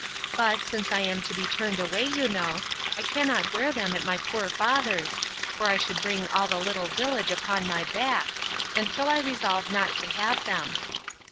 But, since I am to be turned away, you know, I cannot wear them at my poor father's; for I should bring all the little village upon my back; and so I resolve not to have them.